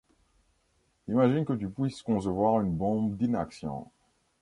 Imagine que tu puisses concevoir une bombe d'inaction.